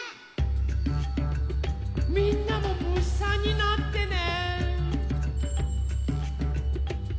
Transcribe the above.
みんなもむしさんになってね。